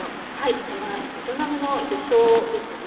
これはベトナムの魚醤ですよね。